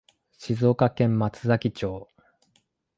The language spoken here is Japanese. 静岡県松崎町